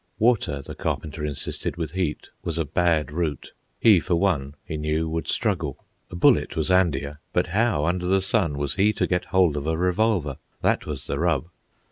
Water, the Carpenter insisted with heat, was a bad route. He, for one, he knew, would struggle. A bullet was "'andier," but how under the sun was he to get hold of a revolver? That was the rub.